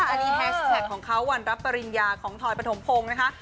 อันนี้แฮชแท็กของเขาวันรับปริญญาของทอยปฐมพงศ์นะคะ